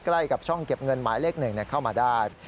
ใกล้กับช่องเก็บเงินหมายเลข๑เข้ามาได้